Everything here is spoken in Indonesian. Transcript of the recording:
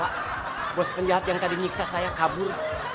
bos penjahat yang tadi nyiksa saya kabur